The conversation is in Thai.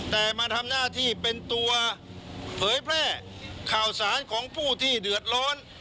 แต่มาทำหน้าที่เป็นตัวเผยแพร่ข่าวสารของผู้ที่เดือดร้อน